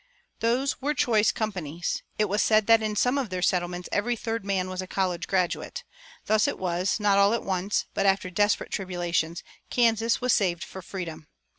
Those were choice companies; it was said that in some of their settlements every third man was a college graduate. Thus it was that, not all at once, but after desperate tribulations, Kansas was saved for freedom.